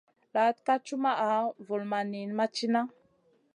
Laaɗ ka cumaʼa, vulmaʼ niyn ma cina.